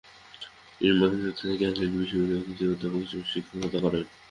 তিনি মার্কিন যুক্তরাষ্ট্রের ক্যাথলিক বিশ্ববিদ্যালয়ে অতিথি অধ্যাপক হিসেবে শিক্ষকতা করেন।